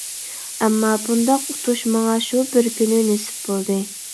ئەمما بۇنداق ئۇتۇش ماڭا شۇ بىر كۈنى نېسىپ بولدى.